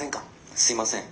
「すいません